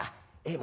え？